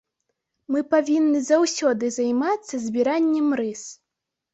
Мы павінны заўсёды займацца збіраннем рыс.